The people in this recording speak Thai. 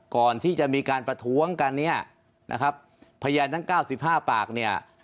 ก่อนที่จะมีการประท้วงกันเนี่ยนะครับพยานทั้งเก้าสิบห้าปากเนี่ย